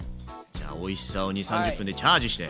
じゃあおいしさを２０３０分でチャージして。